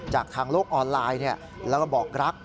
จากทางโลกออนไลน์แล้วก็บอกรัก